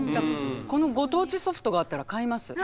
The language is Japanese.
このご当地ソフトがあったら買います。